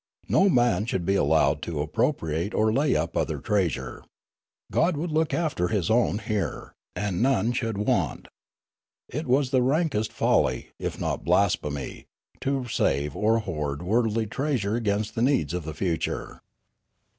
No man should be allowed to appro priate or lay up other treasure. God would look after His own here ; and none should want. It was the rankest folly, if not blasphemy, to save or hoard worldly treasure against the needs of the future.